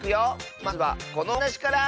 まずはこのおはなしから！